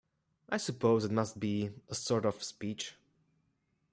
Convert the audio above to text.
I suppose it must be a sort of speech.